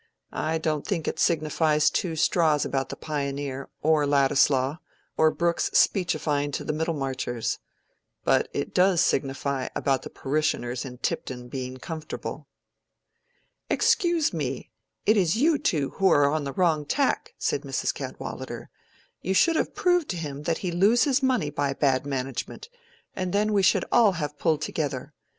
I don't think it signifies two straws about the 'Pioneer,' or Ladislaw, or Brooke's speechifying to the Middlemarchers. But it does signify about the parishioners in Tipton being comfortable." "Excuse me, it is you two who are on the wrong tack," said Mrs. Cadwallader. "You should have proved to him that he loses money by bad management, and then we should all have pulled together.